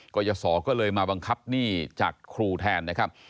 กรยศก็เลยมาบังคับหนี้จากครูแทนนะครับ